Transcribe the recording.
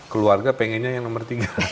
keluarga pengennya yang nomor tiga